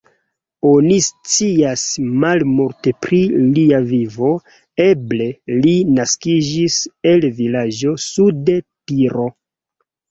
Oni scias malmulte pri lia vivo, eble li naskiĝis el vilaĝo sude Tiro.